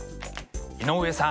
井上さん